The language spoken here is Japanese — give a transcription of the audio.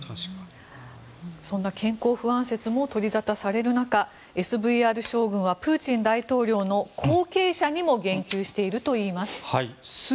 そんな健康不安説も取り沙汰される中ＳＶＲ将軍はプーチン大統領の後継者にも言及しているといいます。